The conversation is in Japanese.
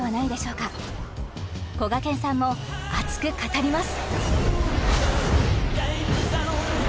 かこがけんさんも熱く語ります